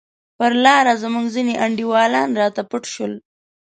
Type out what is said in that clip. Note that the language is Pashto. پر لار زموږ ځیني انډیوالان راڅخه پټ شول.